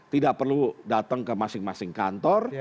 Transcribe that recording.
tidak perlu datang ke masing masing kantor